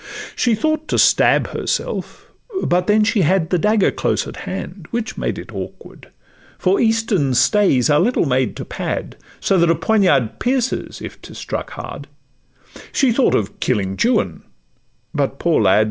She thought to stab herself, but then she had The dagger close at hand, which made it awkward; For Eastern stays are little made to pad, So that a poniard pierces if 'tis stuck hard: She thought of killing Juan—but, poor lad!